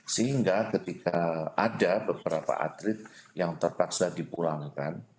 sehingga ketika ada beberapa atlet yang terpaksa dipulangkan